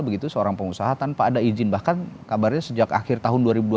begitu seorang pengusaha tanpa ada izin bahkan kabarnya sejak akhir tahun dua ribu dua puluh